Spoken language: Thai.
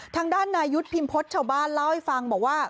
ทางด้านนายุทธ์พิมพฤษชาวบ้านเล่าให้ฟังบอกว่า